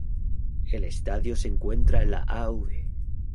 El estadio se encuentra en la Av.